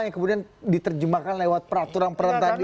yang kemudian diterjemahkan lewat peraturan perantar itu